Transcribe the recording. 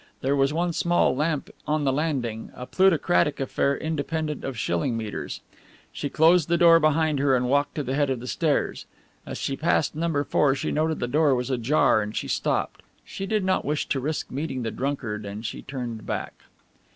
There was one small lamp on the landing, a plutocratic affair independent of shilling meters. She closed the door behind her and walked to the head of the stairs. As she passed No. 4, she noted the door was ajar and she stopped. She did not wish to risk meeting the drunkard, and she turned back.